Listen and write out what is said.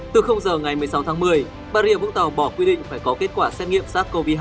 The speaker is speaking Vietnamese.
từ giờ ngày một mươi sáu tháng một mươi bà rịa vũng tàu bỏ quy định phải có kết quả xét nghiệm sars cov hai